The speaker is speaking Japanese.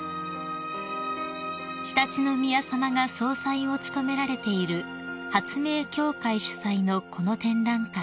［常陸宮さまが総裁を務められている発明協会主催のこの展覧会］